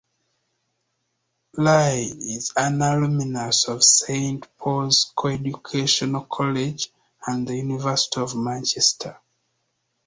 Li is an alumnus of Saint Paul's Co-educational College and the University of Manchester.